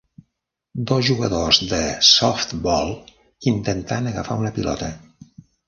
Dos jugadors de softbol intentant agafar una pilota